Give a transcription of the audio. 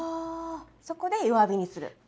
そこで弱火にする。